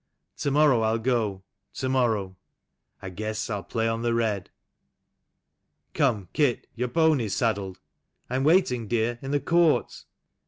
To morrow I'll go ... to morrow ... I guess I'll play on the red. "... Come, Kit, your pony is saddled. I'm waiting, dear, in the court